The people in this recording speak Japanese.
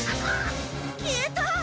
消えたっ！？